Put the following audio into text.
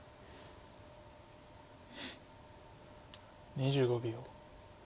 ２５秒。